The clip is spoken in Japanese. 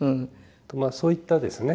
そういったですね